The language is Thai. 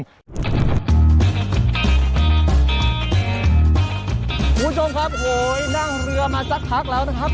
คุณผู้ชมครับโหยนั่งเรือมาสักพักแล้วนะครับ